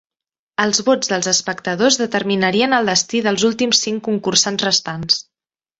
Els vots dels espectadors determinarien el destí dels últims cinc concursants restants.